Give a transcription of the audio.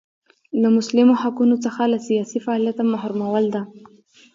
له مسلمو حقونو څخه له سیاسي فعالیته محرومول ده.